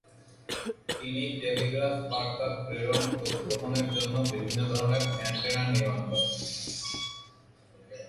তিনি টেলিগ্রাফ বার্তা প্রেরণ ও গ্রহণের জন্য বিভিন্ন ধরনের অ্যান্টেনা নির্মাণ করেন।